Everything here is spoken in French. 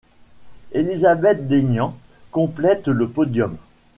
Elizabeth Deignan complète le podium.